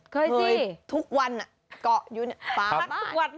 สิทุกวันเกาะอยู่ปากทุกวัน